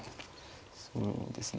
そうですね。